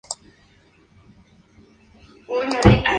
Fue creado bajo acuerdo ministerial Nro.